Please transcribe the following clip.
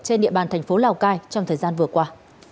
trên địa bàn thành phố lào cai trong thời gian vừa qua